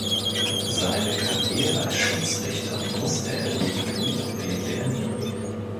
Seine Karriere als Schiedsrichter musste er wegen Knieproblemen beenden.